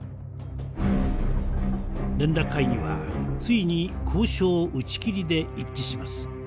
連絡会議はついに交渉打ち切りで一致します。